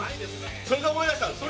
それで思い出したんですね。